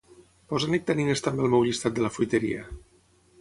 Posa nectarines també al meu llistat de la fruiteria.